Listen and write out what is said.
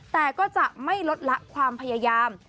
แต่ก็จะไม่ลดละความพยายาม